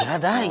nggak ada ia